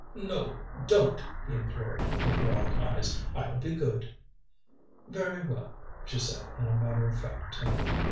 "No, don't," he implored, with wild eyes. "I'll be good." "Very well," she said, in a matter of fact tone.